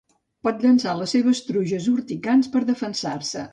Pot llançar les seves truges urticants per defensar-se.